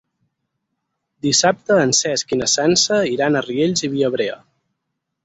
Dissabte en Cesc i na Sança iran a Riells i Viabrea.